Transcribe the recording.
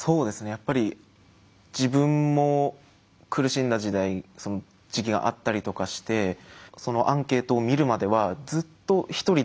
やっぱり自分も苦しんだ時代時期があったりとかしてそのアンケートを見るまではずっとひとりだと思ってたんですよ。